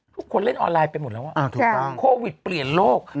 ทุกคนเล่นออนไลน์ไปหมดแล้วโควิดเปลี่ยนโลก